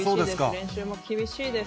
練習も厳しいです。